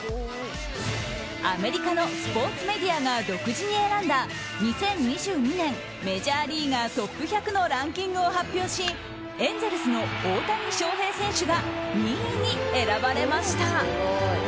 アメリカのスポーツメディアが独自に選んだ、２０２２年メジャーリーガートップ１００のランキングを発表しエンゼルスの大谷翔平選手が２位に選ばれました。